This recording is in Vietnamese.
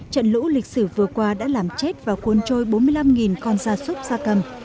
trận lũ lịch sử vừa qua đã làm chết và cuốn trôi bốn mươi năm con da súc da cầm